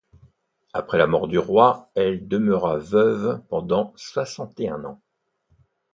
Après la mort du roi, elle demeura veuve pendant soixante-et-un ans.